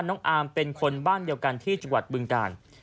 น้องอาร์มเป็นคนบ้านเดียวกันที่จังหวัดบึงกาล